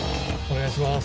お願いします。